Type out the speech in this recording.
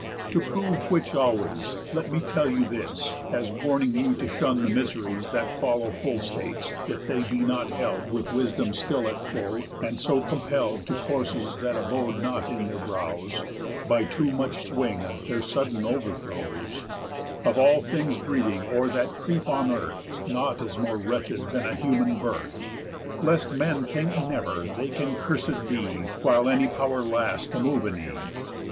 To prove which always, let me tell you this, (As warning you to shun the miseries That follow full states, if they be not held With wisdom still at full, and so compell'd To courses that abode not in their brows, By too much swing, their sudden overthrows) _Of all things breathing, or that creep on earth, Nought is more wretched than a human birth. Bless'd men think never they can cursed be, While any power lasts to move a knee.